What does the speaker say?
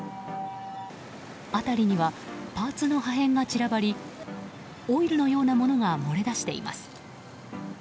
辺りにはパーツの破片が散らばりオイルのようなものが漏れ出しています。